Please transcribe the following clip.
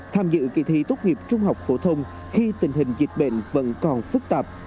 tham dự kỳ thi tốt nghiệp trung học phổ thông khi tình hình dịch bệnh vẫn còn phức tạp